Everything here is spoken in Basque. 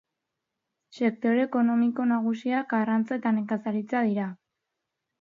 Sektore ekonomiko nagusiak arrantza eta nekazaritza dira.